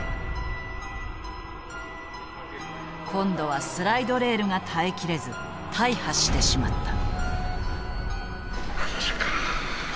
今度はスライドレールが耐えきれず大破してしまった。